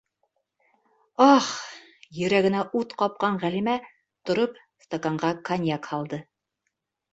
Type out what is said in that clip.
«Ах!..» - йөрәгенә ут ҡапҡан Ғәлимә, тороп, стаканға коньяк һалды.